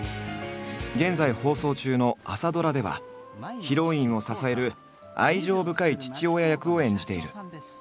現在放送中の朝ドラではヒロインを支える愛情深い父親役を演じている。